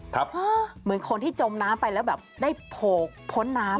เหมือนคนที่จมน้ำไปแล้วแบบได้โผล่พ้นน้ำ